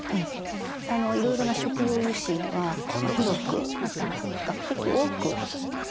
いろいろな食用油脂には広くまた比較的多く含まれているんですね。